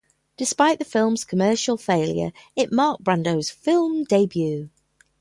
Despite the film's commercial failure, it marked Brando's film debut.